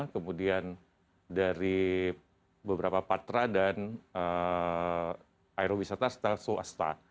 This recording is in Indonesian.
kemudian dari beberapa patra dan aerowisata soasta